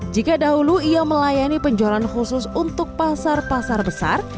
jika dahulu ia melayani penjualan khusus untuk pasar pasar besar